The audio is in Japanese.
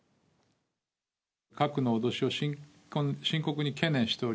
核の脅しを深刻に懸念してお